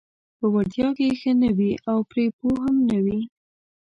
په وړتیا کې ښه نه وي او پرې پوه هم نه وي: